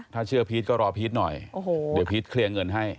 ถ้าเชื่อพีชก็รอพีชหน่อยเดี๋ยวพีชเคลียร์เงินให้